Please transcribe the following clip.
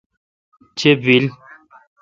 چے°بیل۔